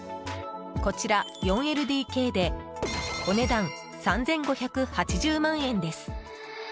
こちら、４ＬＤＫでお値段３５８０万円です。